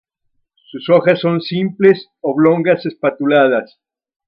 Sus hojas son simples, oblongas espatuladas.